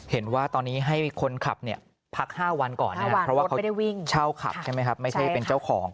เห็นว่าตอนนี้ให้คนขับพัก๕วันก่อนเพราะว่าเขาเช่าขับใช่ไหมครับไม่ใช่เป็นเจ้าของ